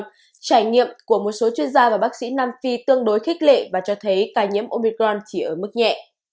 nhưng trải nghiệm của một số chuyên gia và bác sĩ nam phi tương đối khích lệ và cho thấy ca nhiễm omicron chỉ ở mức nhẹ